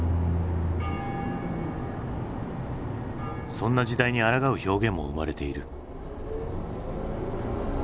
そんな時代にあらがう表現も生まれている。